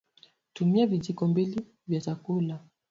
Tumia vijiko mbili vya chakula